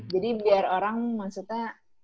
jadi biar orang maksudnya